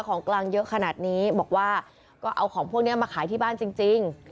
ของกลางเยอะขนาดนี้บอกว่าก็เอาของพวกนี้มาขายที่บ้านจริง